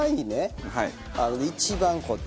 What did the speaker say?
一番こっち。